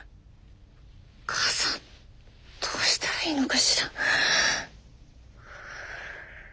母さんどうしたらいいのかしら。